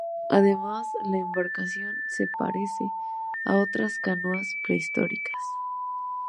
Además la embarcación se parece a otras canoas prehistóricas.